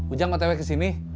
ujang mau tewek ke sini